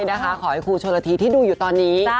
ใช่นะคะขอให้ครูโชลาธีที่ดูอยู่ตอนนี้